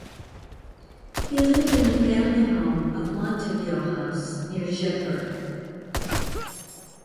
He lived in the family home of Monteviot House near Jedburgh.